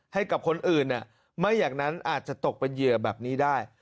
ให้กับคนอื่นไม่อย่างนั้นอาจจะตกเป็นเหยื่อแบบนี้ได้